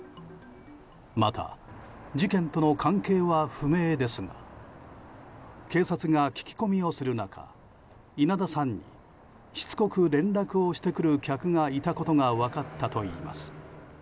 また、事件との関係は不明ですが警察が聞き込みをする中稲田さんにしつこく連絡をしてくる客がいたことが分かったといいます。